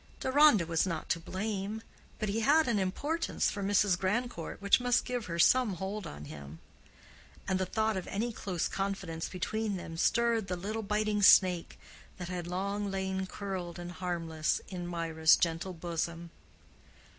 Deronda was not to blame, but he had an importance for Mrs. Grandcourt which must give her some hold on him. And the thought of any close confidence between them stirred the little biting snake that had long lain curled and harmless in Mirah's gentle bosom.